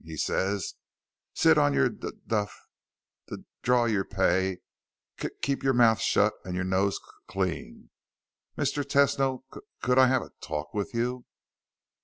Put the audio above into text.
He says, 'Sit on your d duff, d draw your p pay, k keep your mouth shut and your nose c clean.' Mr. Tesno, c could I have a t talk with you?"